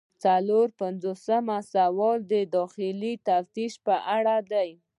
څلور پنځوسم سوال د داخلي تفتیش په اړه دی.